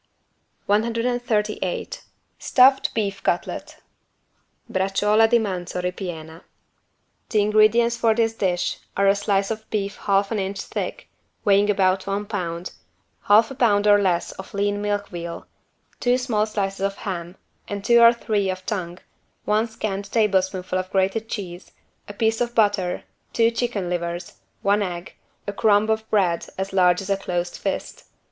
138 STUFFED BEEF CUTLET (Braciuola di manzo ripiena) The ingredients for this dish are a slice of beef half an inch thick, weighing about one pound, half a pound or less of lean milk veal, two small slices of ham and two or three of tongue, one scant tablespoonful of grated cheese, a piece of butter, two chicken livers, one egg, a crumb of bread as large as a closed fist.